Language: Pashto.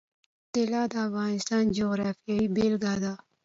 طلا د افغانستان د جغرافیې بېلګه ده.